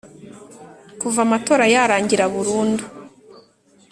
Kuva amatora yarangira mu Burundi,